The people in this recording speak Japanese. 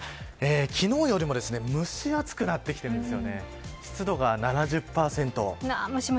昨日よりも蒸し暑くなってきているんですよね。